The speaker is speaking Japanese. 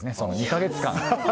２か月間。